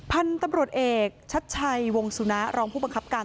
พันธุ์ตำรวจเอกชัดชัยวงสุนะรองผู้บังคับการ